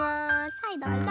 はいどうぞ！